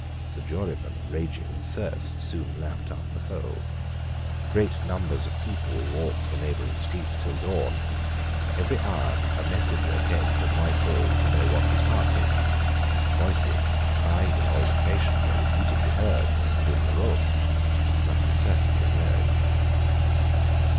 The jurymen, raging with thirst, soon lapped up the whole. Great numbers of people walked the neighbouring streets till dawn. Every hour a messenger came from Whitehall to know what was passing. Voices, high in altercation, were repeatedly heard within the room: but nothing certain was known.